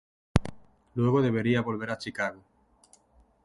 Luego debería volver a Chicago.